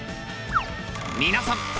皆さん！